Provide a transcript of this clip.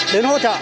đến hỗ trợ